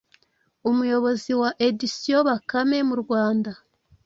Umuyobozi wa Editions Bakame mu Rwanda,